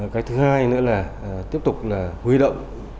cái thứ hai nữa là tiếp tục là huy động